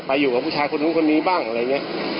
ไปอยู่กับผู้ชายคนนึงคนนี้บ้างอะไรเงี้ย